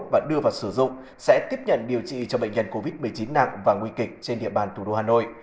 và đưa vào sử dụng sẽ tiếp nhận điều trị cho bệnh nhân covid một mươi chín nặng và nguy kịch trên địa bàn thủ đô hà nội